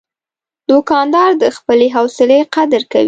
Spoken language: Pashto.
دوکاندار د خپلې حوصلې قدر کوي.